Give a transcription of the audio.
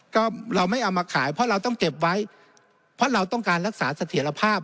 ก็เราไม่เอามาขายเพราะเราต้องเก็บไว้เพราะเราต้องการรักษาเสถียรภาพ